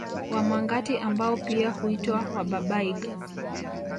Wamangati ambao pia huitwa Wabarbaig